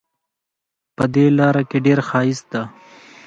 په دې لاره کې ډېر ښایست ده